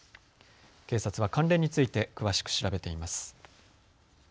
警察は関連について詳しく調べています。